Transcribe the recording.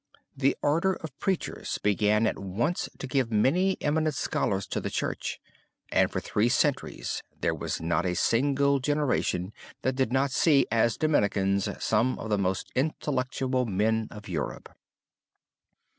The order of preachers began at once to give many eminent scholars to the Church, and for three centuries there was not a single generation that did not see as Dominicans some of the most intellectual men of Europe.